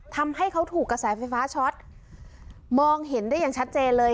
ทำให้เขาถูกกระแสไฟฟ้าช็อตมองเห็นได้อย่างชัดเจนเลย